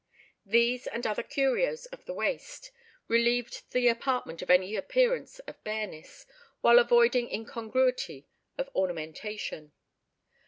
These, and other curios of the Waste, relieved the apartment of any appearance of bareness, while avoiding incongruity of ornamentation.